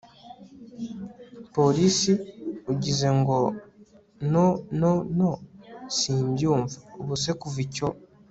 Police ugize ngo no no no simbyumva ubuse kuva icyo